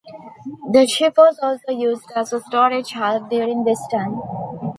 The ship was also used as a storage hulk during this time.